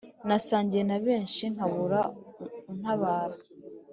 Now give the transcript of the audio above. nasangiye na benshi nkabura untabara.